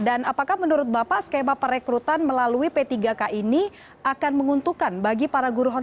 dan apakah menurut bapak skema perekrutan melalui p tiga k ini akan menguntukkan bagi para guru honore